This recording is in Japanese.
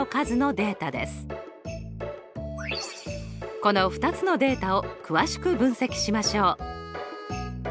この２つのデータを詳しく分析しましょう！